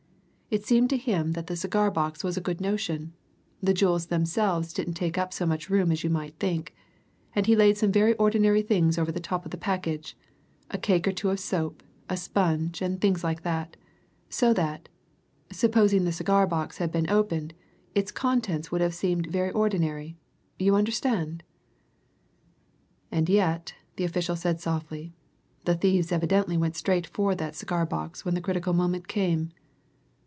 It seemed to him that the cigar box was a good notion the jewels themselves didn't take up so much room as you might think, and he laid some very ordinary things over the top of the package a cake or two of soap, a sponge, and things like that so that, supposing the cigar box had been opened, its contents would have seemed very ordinary, you understand?" "And yet," said the official softly, "the thieves evidently went straight for that cigar box when the critical moment came.